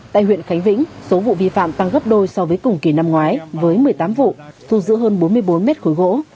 tại huyện khánh vĩnh số vụ vi phạm tăng gấp đôi so với cùng kỳ năm ngoái với một mươi tám vụ thu giữ hơn bốn mươi bốn mét khối gỗ